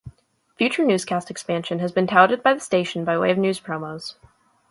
Future newscast expansion has been touted by the station by way of news promos.